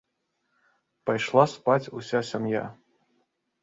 Пайшла спаць уся сям'я.